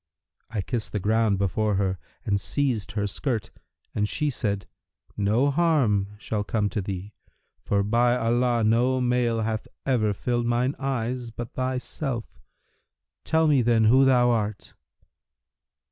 I kissed the ground before her and seized her skirt; and she said, 'No harm shall come to thee; for, by Allah, no male hath ever filled mine eyes[FN#329] but thyself! Tell me, then, who thou art.'